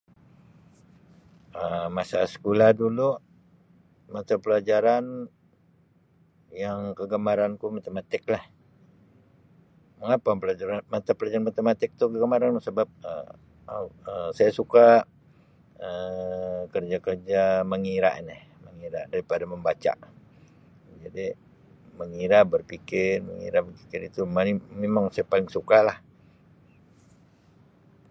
Um Masa skola dulu mata pelajaran yang kegemaran ku Matematik lah mengapa pelajaran mata pelajaran Matematik tu belum ada Um sebab Um saya suka Um kerja-kerja mengira ni mengira daripada membaca jadi mengira berfikir mengira berfikir itu [unintelligible] memang saya paling suka lah.